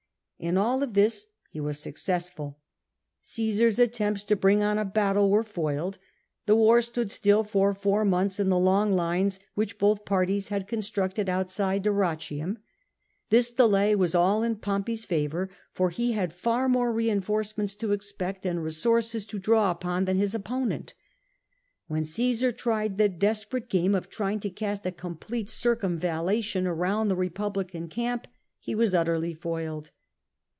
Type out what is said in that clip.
In all of this he was successful; Cmsar's attempts to bring on a battle were foiled; the war stood still for four months in the long lines which both parties had constructed outside Dyrrhachium. This delay was all in Pompey's favour, for he had far more reinforcements to expect and resources to draw upon than had his opponent. When Ciesar tried the desperate game of trying to cast a complete circum vallation round the Itepublioan camp he was utterly foiled.